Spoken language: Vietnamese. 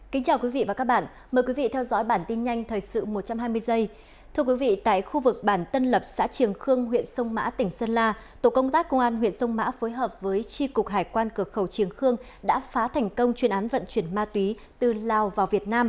hãy đăng ký kênh để ủng hộ kênh của chúng mình nhé